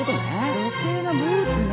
女性のブーツね！